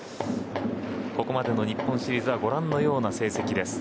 ここまでの日本シリーズは今ご覧いただいたような成績です。